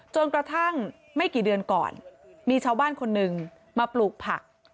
จนกระทั่งไม่กี่เดือนก่อนมีชาวบ้านคนหนึ่งมาปลูกผัก